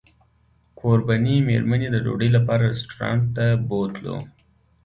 کوربنې مېرمنې د ډوډۍ لپاره رسټورانټ ته بوتلو.